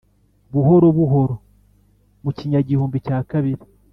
buhoro buhoro mu kinyagihumbi cya kabiri,